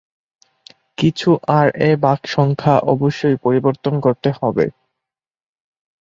কিছু আর এ বাঁক সংখ্যা অবশ্যই পরিবর্তন করতে হবে।